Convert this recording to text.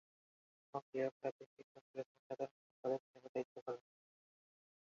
তিনি বঙ্গীয় প্রাদেশিক কংগ্রেসের সাধারণ সম্পাদক হিসেবে দায়িত্ব পালন করেন।